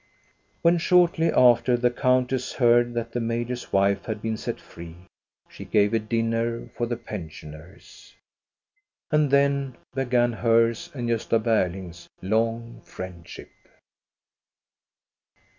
When, shortly after, the countess heard that the major's wife had been set free, she gave a dinner for the pensioners. And then began hers and Gosta Berling's long friendship.